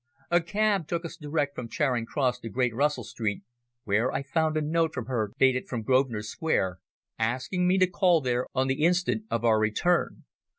A cab took us direct from Charing Cross to Great Russell Street, where I found a note from her dated from Grosvenor Square, asking me to call there on the instant of our return.